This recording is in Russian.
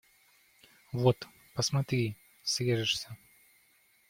Вот, посмотри, срежешься!..